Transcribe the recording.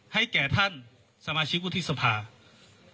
ให้แก่ท่านสมาชิกวุฒิสภา